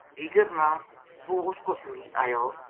دیگر نا وہ اس کو سنگی ایو